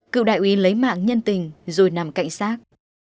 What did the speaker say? cựu đại úy lấy mạng nhân tình rồi nằm cạnh xác